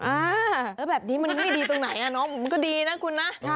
อ่าแบบนี้มันไม่ดีตรงไหนอ่ะเนาะมันก็ดีนะคุณนะ